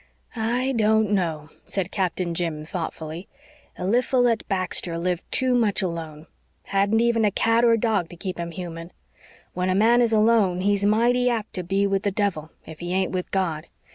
"I don't know," said Captain Jim thoughtfully. "Eliphalet Baxter lived too much alone hadn't even a cat or dog to keep him human. When a man is alone he's mighty apt to be with the devil if he ain't with God.